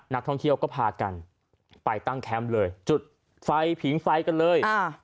นักท่องเที่ยวก็พากันไปตั้งแคมป์เลยจุดไฟผิงไฟกันเลย